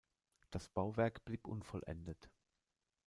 Das Bauwerk blieb unvollendet.